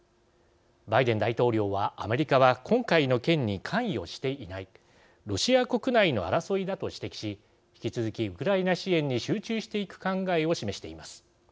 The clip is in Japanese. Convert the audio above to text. バイデン大統領は「アメリカは今回の件に関与していない。ロシア国内の争いだ」と指摘し引き続きウクライナ支援に集中していく考えを示しています。